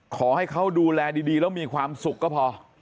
ขอให้เขาดูแลดีแล้วมีความสุขก็พอ